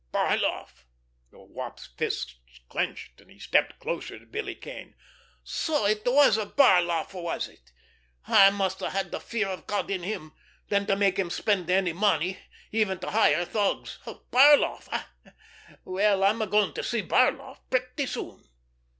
"Barloff!" The Wop's fists clenched, and he stepped closer to Billy Kane. "So it was Barloff, was it? He must have had the fear of God in him, then, to make him spend any money—even to hire thugs! Barloff, eh? Well, I'm going to see Barloff pretty soon!"